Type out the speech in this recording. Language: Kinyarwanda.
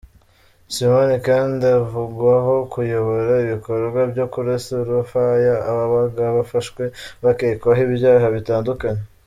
Simone kandi avugwaho kuyobora ibikorwa byo kurasa urufaya ababaga bafashwe bakekwaho ibyaha bitandukanye.